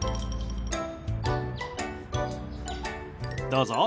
どうぞ。